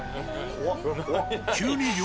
怖っ。